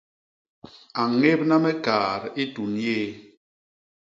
A ñébna me kaat i tuñ yéé.